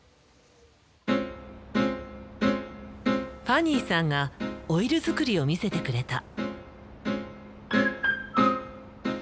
ファニーさんがオイル作りを見せてくれた。